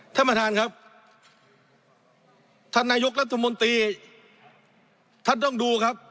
ท่านประธานครับท่านนายกรัฐมนตรีท่านต้องดูครับ